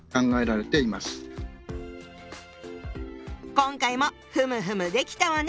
今回もふむふむできたわね！